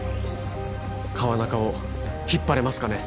川中を引っ張れますかね